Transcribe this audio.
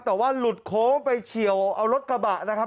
แต่ว่าหลุดโค้งไปเฉียวเอารถกระบะนะครับ